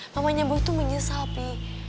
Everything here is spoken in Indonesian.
mamanya boy tuh menyesal pi